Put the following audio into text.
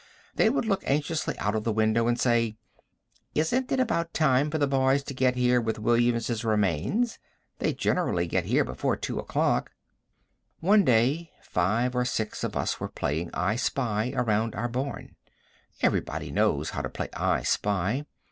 they would look anxiously out of the window and say, "Isn't it about time for the boys to get here with William's remains? They generally get here before 2 o'clock." One day five or six of us were playing "I spy" around our barn. Every body knows how to play "I spy."